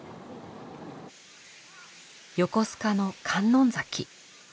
横須賀の観音崎。